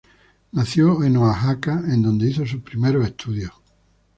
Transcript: Nació en Oaxaca, en donde hizo sus primeros estudios.